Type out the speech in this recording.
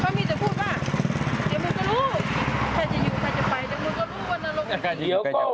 เขามีแต่พูดว่าเดี๋ยวมึงก็รู้ใครจะอยู่ใครจะไปเดี๋ยวมึงก็รู้ว่านรกมันยิ่ง